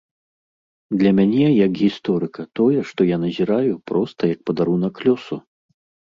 Для мяне як гісторыка тое, што я назіраю, проста як падарунак лёсу.